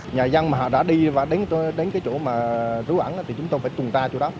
nhà dân đã đi đến chỗ rú ẩn chúng tôi phải tuần tra chỗ đó